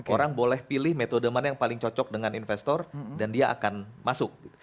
orang boleh pilih metode mana yang paling cocok dengan investor dan dia akan masuk